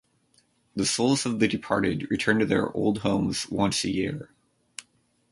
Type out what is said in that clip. The souls of the departed return to their old homes once a year.